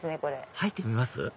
入ってみます？